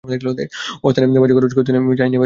অস্থানে বাজে খরচ করতে চাই নে ভাই, স্থান খুঁজে বেড়াচ্ছি।